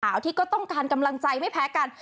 ที่ก็ต้องการกำลังใจไม่แพ้กัน